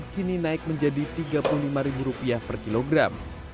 kini naik menjadi rp tiga puluh lima per kilogram